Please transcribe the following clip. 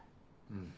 うん。